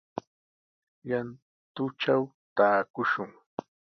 Llantutraw taakushun.